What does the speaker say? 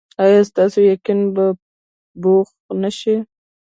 ایا ستاسو یقین به پوخ نه شي؟